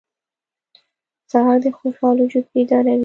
سهار د خوشحال وجود بیداروي.